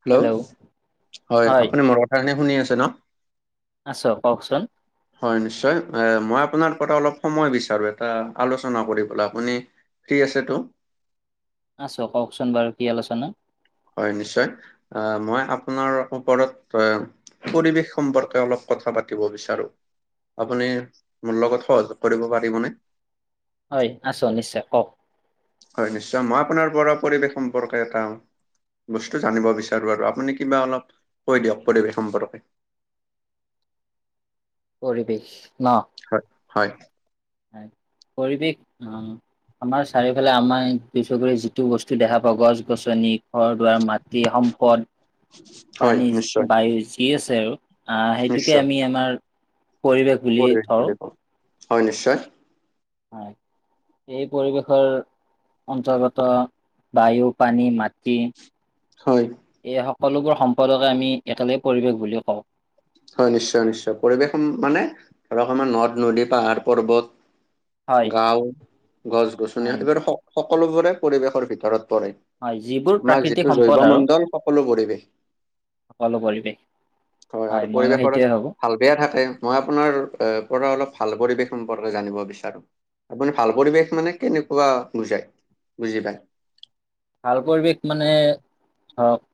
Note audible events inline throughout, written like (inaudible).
Hello, হয় আপুনি মোৰ কথাখিনি শুনি আছে ন? আছো কওকচোন। হয় নিশ্চয়, এ মই আপোনাৰ পৰা অলপ সময় বিচাৰো এটা আলোচনা কৰিবলৈ আপুনি ফ্ৰী আছে তো আছো কওকচোন বাৰু কি আলোচনা। হয় নিশ্চয়, আ মই আপোনাৰ ওপৰত এ পৰিৱেশ সম্পৰ্কে অলপ কথা পাতিব বিচাৰোঁ। আপুনি মোৰ লগত সহযোগ কৰিব পাৰিবনে? হয় আছো নিশ্চয় কওক। হয় নিশ্চয়, মই আপোনাৰ পৰা পৰিৱেশ সম্পৰ্কে এটা বস্তু জানিব বিচাৰো আৰু আপুনি কিবা অলপ কৈ দিয়ক পৰিৱেশ সম্পৰ্কে। পৰিৱেশ ন? হয় হয়। হয় পৰিবেশ অ আমাৰ চাৰিওফালে আমাৰ দুচকুৰে যিটো বস্তু দেখা পাওঁ গছ-গছনি ঘৰ-দুৱাৰ, মাটি, সম্পদ, হয় পানী, নিশ্চয় বায়ু যি আছে আৰু। আ' সেইটোকে নিশ্চয় আমি আমাৰ পৰিৱেশ বুলি পৰিৱেশ ধৰো বুলি কওঁ, হয় নিশ্চয়। হয়, এই পৰিৱেশৰ অন্তৰ্গত বায়ু, পানী, মাটি। হয়। এই সকলোবোৰ সম্পদকে আমি একালগে পৰিৱেশ বুলি কওঁ। হয় নিশ্চয় নিশ্চয়, পৰিৱেশ মানে ধৰক আমাৰ নদ- নদী, পাহাৰ-পৰ্বত হয় গাঁও, গছ-গছনি হয় এইবোৰ সকলোবোৰে পৰিৱেশৰ ভিতৰত পৰে। হয় যিবোৰ তোমাৰ প্ৰাকৃতিক যিটো সম্পদ জৈৱ আৰু মণ্ডল সকলো পৰিৱেশ। সকলো পৰিৱেশ, আৰু হয় ময়ো পৰিৱেশৰ সেইটোৱে ভাবোঁ। ভাল বেয়া থাকে মই আপোনাৰ পৰা অলপ ভাল পৰিৱেশ সম্পৰ্কে জানিব বিচাৰোঁ। আপুনি ভাল পৰিৱেশ মানে কেনেকুৱা বুজায় বুজি পায়? ভাল পৰিৱেশ মানে ধৰক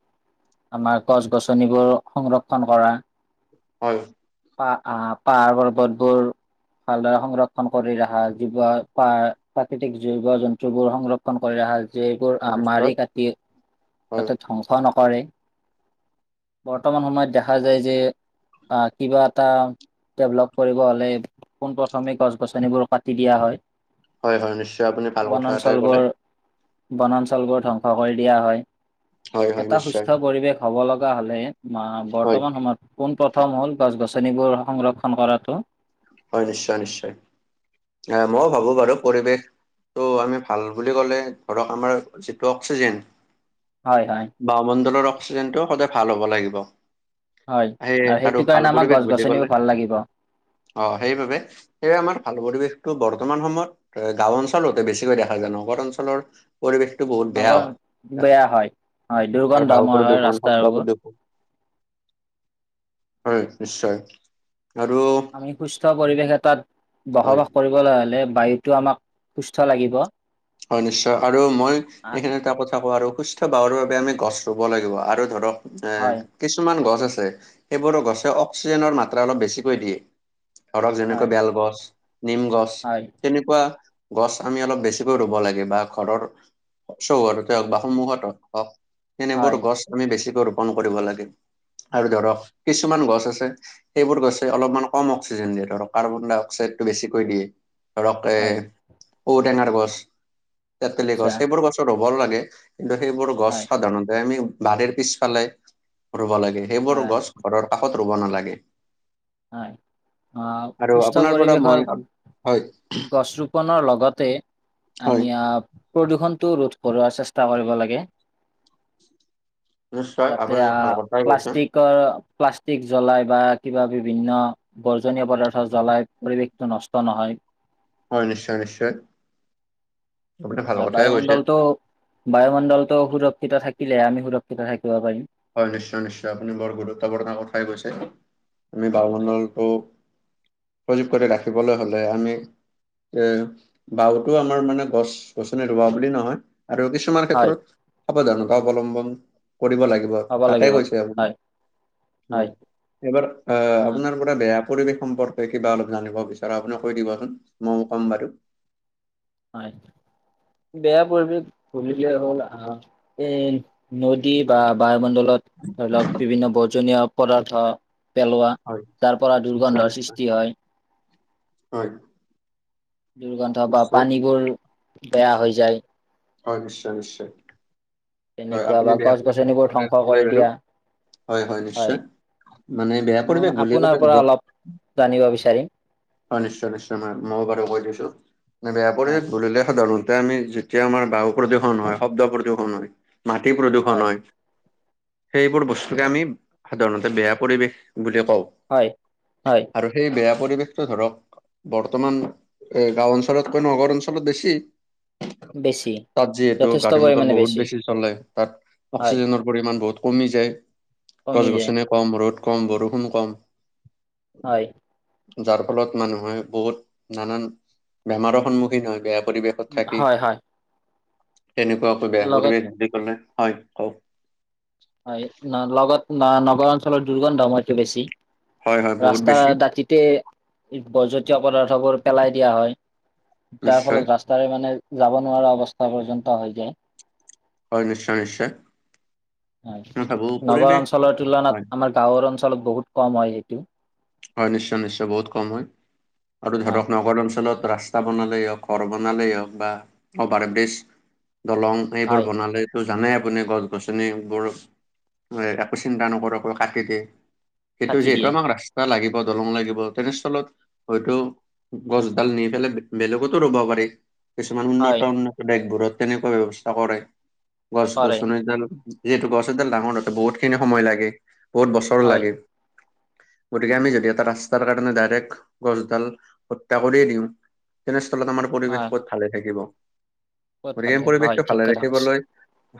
আমাৰ গছ-গছনিবোৰ সংৰক্ষণ কৰা। হয়। পা পাহাৰ পৰ্বতবোৰ ভালদৰে সংৰক্ষণ কৰি ৰখা জীৱ প্ৰাকৃতিক জীৱ জন্তুবোৰ সংৰক্ষ ণ কৰি ৰাখা যিবোৰ নিশ্চয় মাৰি কাটি হয় যাতে ধ্বংস নকৰে। বৰ্তমান সময়ত দেখা যায় যে আহ কিবা এটা ডেভলপ কৰিব হ'লে পোনপ্ৰথমে গছ গছনিবোৰ কাটি দিয়া হয়। হয় হয় নিশ্চয় আপুনি ভাল কথা এটাই ক'লে। বনাঞ্চলবোৰ বনাঞ্চলবোৰ ধ্বংস কৰি দিয়া হয়। হয় হয় এটা নিশ্চয় সুস্থ পৰিৱেশ হ'ব লগা হ'লে হয় বৰ্তমান সময়ত পোনপ্ৰথম হ'ল গছ-গছনিবোৰ সংৰক্ষণ কৰাটো হয় নিশ্চয়, নিশ্চয়, আ মই ভাবো বাৰু পৰিৱেশ ত' আমি ভাল বুলি ক'লে ধৰক আমাৰ যিটো অক্সিজেন হয় হয়। মণ্ডলৰ অক্সিজেনটো সদায় ভাল হ'ব লাগিব হয় সেয়ে আৰু সেইটো ভাল কাৰণে আমাক পৰিৱেশ গছ বুলি ক'লে গছনিবোৰ ভাল লাগিব। অ সেইবাবে সেয়ে আমাৰ ভাল পৰিৱেশটো বৰ্তমান সময়ত গাঁও অঞ্চলতে বেছিকৈ দেখা যায় নগৰ অঞ্চলৰ পৰিৱেশটো বহুত বেয়া নগৰ হয় কাৰণ বেয়া হয় হয় কাৰোবাৰ দুৰ্গন্ধময় ওপৰত হয় ভীষণ শব্দ ৰাস্তাবোৰ প্ৰদূষণ হয় নিশ্চয় আৰু আমি সুস্থ পৰিৱেশ এটাত হয় বসবাস কৰিবলৈ হ'লে বায়ুটো আমাক সুস্থ লাগিব। হয় নিশ্চয় আৰু মই এইখিনিতে এটা কথা কও আৰু সু স্থ বাহৰ বাবে আমি গছ ৰুব লাগিব আৰু ধৰক এ হয় কিছুমান গছ আছে সেইবোৰৰ গছে অক্সিজেনৰ মাত্ৰা অলপ বেছিকৈ দিয়ে। ধৰক যেনেকৈ হয় বেলগছ, নিমগছ হয় তেনেকোৱা গছ আমি অলপ বেছি কৈ ৰুব লাগে বা ঘৰৰ চৌহদতে হওক বা সন্মুখত হওক তেনেবোৰ হয় গছ আমি বেছিকৈ ৰোপন কৰিব লাগে আৰু ধৰক কিছুমান গছ আছে সেইবোৰ গছে অলপমান কম অক্সিজেন দিয়ে ধৰক কাৰ্বন-ডাই-অক্সাইডতটো বেছিকৈ দিয়ে ধৰক এ হয় ঔটেঙাৰ গছ তেতেলি গছ আচ্ছা সেইবোৰ গছ ৰুব লাগে ধৰক সেইবোৰ গছ হয় সাধাৰণতে আমি বাৰীৰ পিছফালে ৰুব লাগে সেইবোৰ হয় গছ ঘৰৰ কাষত ৰুব নালাগে হয় অ আৰু সুস্থ আপোনাৰ পৰা মই পৰিৱেশৰ হয় গছ ৰু পণৰ লগতে হয় আমি প্ৰদূষণটো ৰোধ কৰিব চেষ্টা কৰিব লাগে। নিশ্চয় যাতে আপুনি আহ ভাল কথাই কৈছে। প্লাষ্টিকৰ প্লাষ্টিক জ্বলাই বা কিবা বিভিন্ন বৰ্জনীয় পদাৰ্থ জ্বলাই পৰিৱেশটো নষ্ট নহয় হয় নিশ্চয় নিশ্চয়। আপুনি ভাল আৰু কথাই কৈছে। বায়ুমণ্ডলটো বায়ুমণ্ডলটো সুৰক্ষিত থাকিলে আমি সুৰক্ষিত থাকিব পাৰিম হয় নিশ্চয় নিশ্চয় আপুনি বৰ গুৰুত্বপূৰ্ণ কথাই কৈছে, আমি হয় বায়ুমণ্ডলটো সজীৱ কৰি ৰাখিবলৈ হ'লে আমি এ বাওতো আমাৰ মানে গছ-গছনি ৰুবা বুলি নহয় আৰু কি ছুমান হয়, ক্ষেত্ৰত সাৱধানতা অৱলম্বন কৰিব লাগিব। হ'ব তাকে লাগিব কৈছে আপুনি হয় হয় এবাৰ আহ আপোনাৰ আপোনাৰ বেয়া পৰিৱেশ সম্পৰ্কে কিবা অলপ জানিব বিচাৰো আপুনি কৈ দিবচোন মইও ক'ম বাৰু হয় বেয়া পৰিৱেশ বুলিলে হ'ল আহ এ নদী বা বায়ুমণ্ডলত ধৰি লওক বিভিন্ন বৰ্জনীয় পদাৰ্থ পেলোৱা হয় তাৰ পৰা নিশ্চয় দুৰ্গন্ধৰ নিশ্চয় সৃষ্টি হয়। হয় দুৰ্গন্ধ বা নিশ্চয় পানীবোৰ বেয়া হৈ যায়। হয় নিশ্চয় নিশ্চয় হয় তেনেকুৱা আপুনি বা গছ বেয়াখিনি গছনিবোৰ সম্পূৰ্ণকে ধ্বংস কৰি কলে বাৰু দিয়া হয় হয় নিশ্চয় মানে বেয়া মই পৰিৱেশ বুলি আপোনাৰ কলে পৰা ধৰক অলপ জানিব বিচাৰিম হয় নিশ্চয় নিশ্চয় মই মইয়ো বাৰু কৈ দিছো নে বেয়া হয় পৰিৱেশ বুলিলে সাধাৰণতে আমি যি তিয়া আমাৰ বায়ু প্ৰদূৰ্ষণ হয় শব্দ প্ৰদূৰ্ষণ হয় মাটি প্ৰদূৰ্ষণ হয় সেইবোৰ বস্তুকে আমি সাধাৰণতে বেয়া পৰিৱেশ বুলি কও হয় হয় আৰু এই বেয়া পৰিৱেশ টো ধৰক বৰ্তমান এ গাওঁ অঞ্চলতকৈ নগৰ অঞ্চলত বেছি বেছি তাত যিহেতু যথেষ্ট গাড়ী মটৰ পৰিমাণে বহুত বেছি চলে তাত হয় অক্সিজেনৰ পৰিমাণ বহুত কমি যায় গছ কমি যায় গছনি কম ৰ'দ কম বৰষুণ কম হয় যাৰ ফলত মানুহে বহুত নানান বেমাৰৰ সন্মুখীন হয় বেয়া পৰিৱেশ হয়, হয়। এনেকুৱাকৈ বেয়া লগত পৰিৱেশ বুলি কলে হয়। কওঁক। হয় ন লগত ন নগৰ অঞ্চলৰ দুৰ্গন্ধময়ত বেছি। হয় হয় বহুত ৰাস্তা বেছি দাঁতিত এ বজতিয়া পদাৰ্থবোৰ পেলাই দিয়া হয়, যাৰ নিশ্চয় ফলত ৰাচ তাৰে মানে যাব নোৱাৰা অৱস্থা পৰ্যন্ত হৈ যায়। হয়, নিশ্চয়-নিশ্চয়। হয়। নগৰ অঞ্চলৰ তুলনাত হয় আমাৰ গাঁওৰ অঞ্চলত বহুত কম হয় সেইটো। হয়, নিশ্চয়-নিশ্চয় বহুত কম হয়। আৰু হয় ধৰক নগৰ অঞ্চলত ৰাস্তা বনালেই হওঁক, ঘৰ বনালেই হওঁক, বা অভাৰ ব্ৰিজ, দলং এইবোৰ হয় বনালে তো জানে আপুনি গছ গছনিবোৰ একো চিন্তা নকৰাকৈ কাটি দিয়ে। সেইটো কাটি যিহেতু দিয়ে আমাক ৰাস্তা লাগিব দলং লাগিব তেনেস্থলত হয়তো গছডাল নি পেলাই বেলেগতো ৰুব পাৰি। কিছুমান হয় উন্নত-উন্নত দেশবোৰত তেনেকুৱা ব্যৱস্থা কৰে, গছ কৰে গছনি জাল যিহেতু গছ এডাল ডাঙৰ হওঁতে বহুতখিনি সময় লাগে, বহুত বছৰো হয় লাগে। গতিকে আমি যদি এটা ৰাস্তাৰ কাৰণে ডাইৰেক্ট গছডাল হত্যা কৰিয়ে দিওঁ তেনেস্থলত আমাৰ পৰিৱেশ হয় বহুত ভালে থাকিব ক'ত ভাল গতিকে থাকিব হয় পৰিৱেশটো ঠিক ভালে কথা কৈছে ৰাখিবলৈ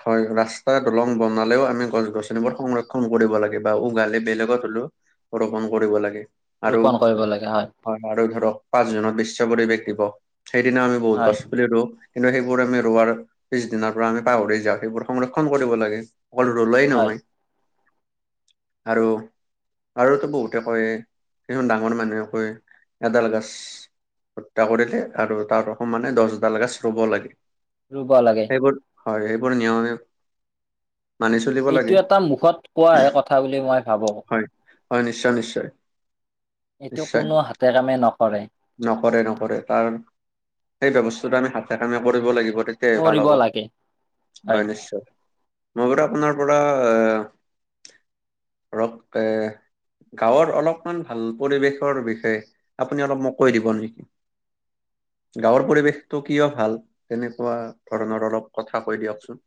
হয়, ৰাস্তা দলং বনালেও আমি গছ গছনিবোৰ সংৰক্ষণ কৰিব লাগে বা উঘালি বেলেগত হলেওঁ ৰোপণ কৰিব লাগে। ৰোপণ কৰিব লাগে হয়। হয় আৰু ধৰক পাঁচ জুনত বিশ্ব পৰিৱেশ দিবস, সেইদিনা আমি বহুত হয় গছ পুলি ৰুও। কিন্তু সেইবোৰ আমি ৰোৱাৰ পিছ দিনাৰ পৰা আমি পাহৰি যাওঁ সেইবোৰ সংৰক্ষণ কৰিব লাগে। অকলৰুলেই হয় নহয়, আৰু আৰুতো বহুতে কয়। সেইখন ডাঙৰ মানুহে কয়, এডাল গছ হত্যা কৰিলে আৰু তাৰ সমানে দচ দুটাল গছ ৰুব লাগে। ৰুব লাগে। সেইবোৰ হয়, সেইবোৰ নিয়ম মানি চলিব এইটো লাগে এটা মুখত কোৱাহে কথা বুলি মই ভাৱোঁ। হয় হয়, নিশ্চয়-নিশ্চয়। এইটো কোনো হাতে কামে নকৰে। নকৰে-নকৰে কাৰণ, সেই বস্তুটোআমি হাতে কামে কৰিব লাগিব এ ভাল কৰিব হ'ব, লাগে হয় নিশ্চয়। মই বাৰু আপোনাৰ পৰা, ধৰক এ গাঁৱৰ অলপমান ভাল পৰিৱেশৰ বিষয়ে আপুনি অলপ মোক কৈ দিব নেকি? গাঁৱৰ পৰিৱেশটো কিয় ভাল তেনেকুৱা ধৰণৰ অলপ কথা কৈ দিয়কচোন?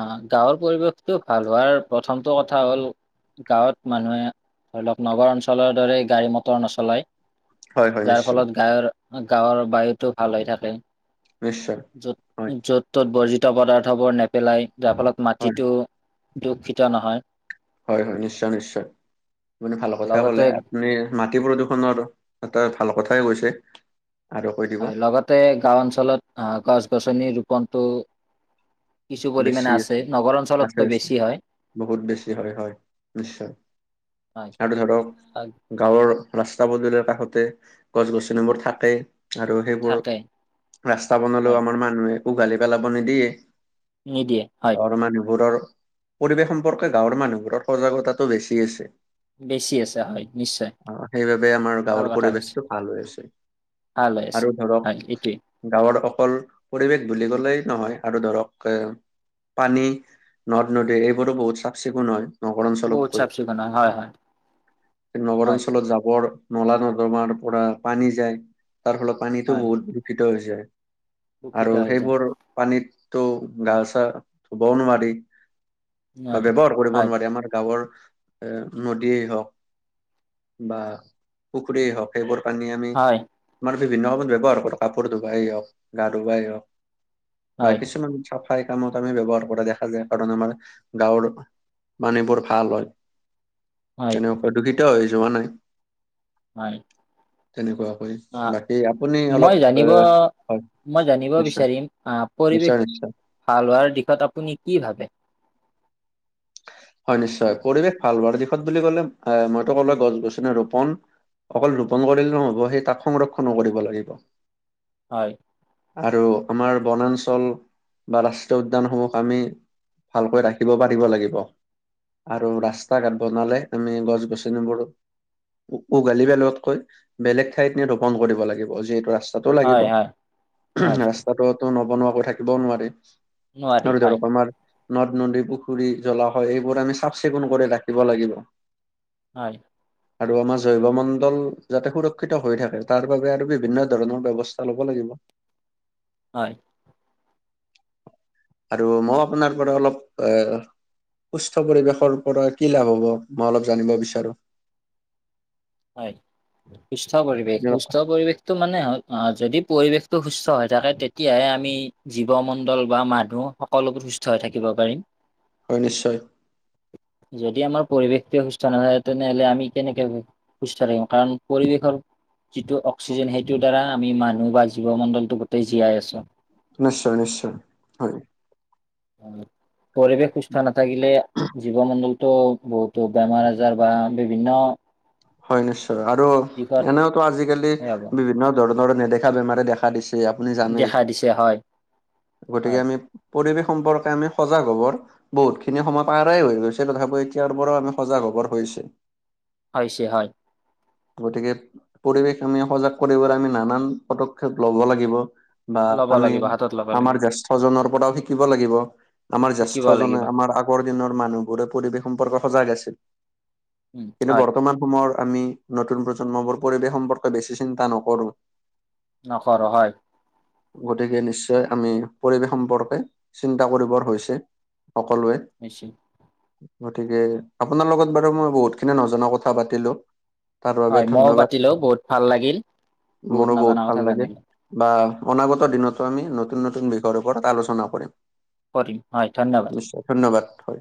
আ, গাঁৱৰ পৰিৱেশটো ভাল হোৱাৰ প্ৰথমটো কথা হ'ল গাঁৱত মানুহে ধৰি লওঁক নগৰ অঞ্চলৰ দৰে গাড়ী মটৰ নচলায়। হয় হয় যাৰ নিশ্চয় ফলত গৰ গাঁৱৰ বায়ুটো ভাল হৈ থাকে। নিশ্চয়। হয় য'ত-য'ত ত'ত বৰ্জিত পদাৰ্থবোৰ নেপেলাই, যাৰ ফলত হয় মাটিটো দুখিটা নহয়। হয়, হয়, নিশ্চয়-নিশ্চয়। আপুনি ভাল কথা লগতে কলে, আপুনি মাটি প্ৰদূষণৰ এটা ভাল কথাই কৈছে। আৰু কৈ দিব হয়, লগতে গাও অঞ্চলত আহ গছ গছনি ৰোপনটো কিছু বেছি পৰিমাণে আছে। নগৰ অঞ্চলতকৈ আছে-আছে বেছি হয় বহুত বেছি। হয়, হয় নিশ্চয়। আৰু ধৰক হয় গাঁৱৰ ৰাস্তা পদূলিৰ কাষতে গছ গছনিবোৰ থাকেই। আৰু সেইবোৰ থাকে ৰাস্তা বনালেও হয় আমাৰ মানুহে উঘালি পেলাব নিদিয়ে। নিদিয়ে। হয় গাঁৱৰ মানুহবোৰৰ পৰিৱেশ সম্পৰ্কে গাঁৱৰ মানুহবোৰৰ সজাগতাটো বেছি আছে। বেছি আছে হয় নিশ্চয় সেইবাবে আমাৰ ভাল গাঁৱৰ কথা কৈছে পৰিৱেশটো ভাল হৈ আছে। ভাল লৈ আছে আৰু ধৰক হয় এইটোৱেই। গাঁৱৰ অকল পৰিৱেশ বুলি ক'লেই নহয়, আৰু ধৰক। পানী নদ- নদী এইবোৰো বহুত চাফ চিকুণ হয়। নগৰ বহুত অঞ্চলতকৈ চাফ চিকুণ হয় হয় হয় নগৰ হয় অঞ্চলত জাৱৰ। নলা নৰ্দমাৰ পৰা পানী যায় তাৰ ফলত পানীতো হয় বহুত দূষিত হৈ যায়। আৰু দূষিত হৈ যায় সেইবোৰ পানীততো গা চা ধুবও নোৱাৰি? বা হয় ব্যৱহাৰ কৰিব হয় নোৱাৰি আমাৰ গাঁৱৰ। এ নদীয়ে হওক বা। পুখুৰীয়ে হওক সেইবোৰ পানী আমি। হয় তোমাৰ বিভিন্ন সময়ত ব্যৱহাৰ কৰো কাপোৰ ধুবাই হওক গা ধুবই হওক বা হয় কিছুমান। হয় কামত আমি ব্যৱহাৰ কৰা দেখা যায় কাৰণ আমাৰ গাঁৱৰ। পানীবোৰ ভাল হয় হয় (unintelligible) যোৱা নাই। হয়। তেনেকুৱাকৈ বাকী আপুনি মই অলপ এ জানিব হয়। মই জানিব নিশ্চয় বিচাৰিম অ' পৰিৱেশ নিশ্চয় নিশ্চয় ভাল হোৱাৰ দিশত আপুনি কি ভাবে। হয় নিশ্চয়। পৰিৱেশ ভাল হোৱাৰ দিশত বুলি ক'লে এ মইতো ক'লো এ গছ গছনি ৰোপন। অকল ৰোপণ কৰিলে নহ'ব সেই তাক সংৰক্ষণো কৰিব লাগিব। হয়। আৰু আমাৰ বনাঞ্চল বা ৰাষ্ট্ৰীয় উদ্যানসমূহ আমি। ভালকৈ ৰাখিব পাৰিব লাগিব। আৰু ৰাস্তা ঘাট বনালে আমি গছ গছনি বোৰো। উগালি পেলোৱাত কৈ বেলেগ ঠাইত নি ৰোপন কৰিব লাগিব যিহেতু ৰাস্তাটো হয় লাগিব। হয় হয় ৰাস্তাটোতো নবনোৱাকৈ থাকিবও নোৱাৰে নোৱাৰি আৰু হয় ধৰক আমাৰ। নদ-নদী, পুখুৰী, জলাশয় এইবোৰ আমি চাফ-চিকুণ কৰি ৰাখিব লাগিব। হয়। আৰু আমাৰ জৈৱমণ্ডল যাতে সুৰক্ষিত হৈ থাকে তাৰ বাবে আৰু বিভিন্ন ধৰণৰ ব্যৱস্থা। ল'ব লাগিব। হয়। আৰু মই আপোনাৰ পৰা অলপ এ। সুস্থ পৰিৱেশৰ পৰা কি লাভ হ'ব মই অলপ জানিব বিচাৰো। হয় সুস্থ পৰিৱেশ সুস্থ পৰিৱেশ। টো মানে হ যদি পৰিৱেশটো সুস্থ হৈ থাকে তেতিয়াহে আমি। জীৱ মণ্ডল বা মানুহ সকলোবোৰ সুস্থ হৈ থাকিব পাৰিম। হয় নিশ্চয়। যদি আমাৰ পৰিৱেশটো সুস্থ নহয় তেনেহ'লে আমি কেনেকে। সুস্থ থাকিম কাৰণ পৰিৱেশৰ যিটো অক্সিজেন সেইটোৰ দ্বাৰা আমি মানুহ বা জীৱমণ্ডলটো গোটেই জীয়াই আছোঁ। নিশ্চয়-নিশ্চয়, হয়। পৰিৱেশ সুস্থ নাথাকিলে জীৱমণ্ডলতো বহুতো বেমাৰ-আজাৰ বা বিভিন্ন হয় নিশ্চয় আৰু দিশত এনেওতো আজিকালি সেই হ'ব বিভিন্ন ধৰণৰ নেদেখা বেমাৰে দেখা দিছে। আপুনি জানে দেখা দিছে হয় হয় গতিকে আমি পৰিৱেশ সম্পৰ্কে আমি সজাগ হ'বৰ। বহুতখিনি সময় পাৰেই হৈ গৈছে তথাপিও এতিয়াৰ পৰাও আমি সজাগ হবৰ হৈছে। হৈছে হয়। গতিকে পৰিৱেশ আমি সজাগ কৰিবলৈ আমি নানান পদক্ষেপ লব লাগিব। বা ল'ব আমি লাগিব হাতত ল'ব আমাৰ লাগিব জ্যেষ্ঠজনৰ পৰাও শিকিব লাগিব। আমাৰ শিকিব জ্যেষ্ঠজনে লাগিব আমাৰ আগ আগৰদিনৰ মানুহবোৰে পৰিৱেশ সম্পৰ্কত সজাগ আছিল উম কিন্তু হয় বৰ্তমান অসমৰ আমি নতুন প্ৰজন্মবোৰ পৰিৱেশ সম্পৰ্কে বেছি চিন্তা নকৰো। নকৰোঁ, হয়। গতিকে নিশ্চয় আমি, পৰিৱেশ সম্পৰ্কে, চিন্তা কৰিবৰ হৈছে সকলোৱে। নিশ্চয় (unintelligible) গতিকে আপোনাৰ লগত বাৰু মই বহুতখিনি নজনা কথা পাতিলো। তাৰ বাবে হয় মইও ধন্যবাদ, পাতিলো বহুত ভাল লাগিল মোৰো নজনা বহুত ভাল কথা লাগিল। জানিলো বা অনাগত দিনতো আমি নতুন-নতুন বিষয়ৰ ওপৰত আলোচনা কৰিম। কৰিম হয় ধন্যবাদ। নিশ্চয় ধন্যবাদ, হয়।